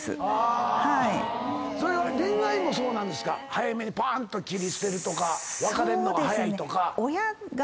早めにパーンと切り捨てるとか別れんのが早いとか。